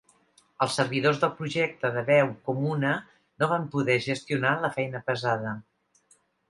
Els servidors del projecte de veu comuna no van poder gestionar la feina pesada.